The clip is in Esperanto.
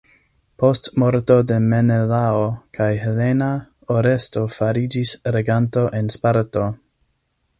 Post morto de Menelao kaj Helena Oresto fariĝis reganto en Sparto.